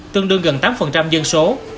đương gần tám dân số